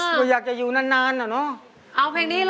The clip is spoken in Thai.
๕หน่อยอยากอยู่นานหน่อยสุดนะ